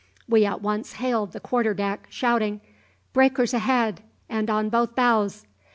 We at once hailed the quarterdeck, shouting: `Breakers ahead and on both bows!'